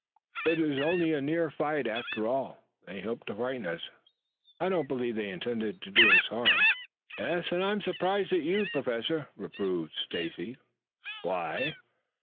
"But it was only a near fight after all. They hoped to frighten us. I don't believe they intended to do us harm." "Yes, and I am surprised at you, Professor," reproved Stacy. "Why?"